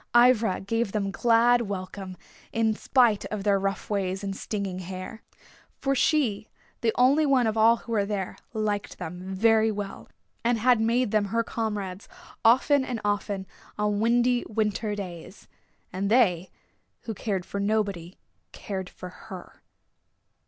Ivra gave them glad welcome in spite of their rough ways and stinging hair. For she, the only one of all who were there, liked them very well and had made them her comrades often and often on windy winter days. And they, who cared for nobody, cared for her.